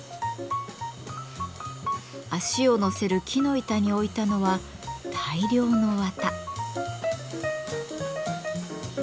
足をのせる木の板に置いたのは大量の綿。